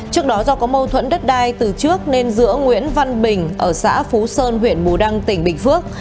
trước đó do có mâu thuẫn đất đai từ trước nên giữa nguyễn văn bình ở xã phú sơn huyện bù đăng tỉnh bình phước